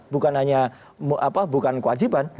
bukan hanya bukan kewajiban